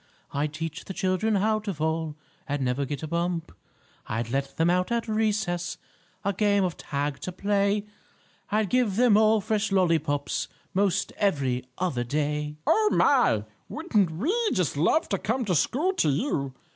I'd teach the children how to fall, And never get a bump. I'd let them out at recess, A game of tag to play; I'd give them all fresh lollypops 'Most every other day!" "Oh, my! Wouldn't we just love to come to school to you!"